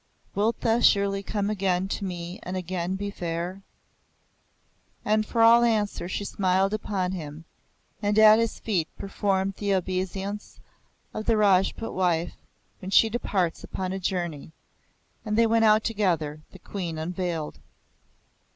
Wilt thou surely come again to me and again be fair?" And for all answer she smiled upon him, and at his feet performed the obeisance of the Rajput wife when she departs upon a journey; and they went out together, the Queen unveiled.